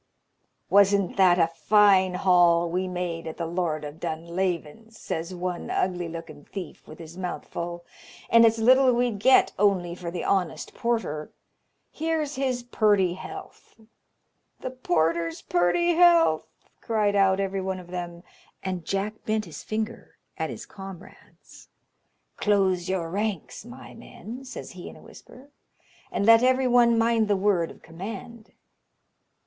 "Wasn't that a fine haul we made at the Lord of Dunlavin's?" says one ugly looking thief with his mouth full, "and it's little we'd get only for the honest porter! here's his purty health!" "The porter's purty health!" cried out every one of them, and Jack bent his finger at his comrades. "Close your ranks, my men," says he in a whisper, "and let every one mind the word of command."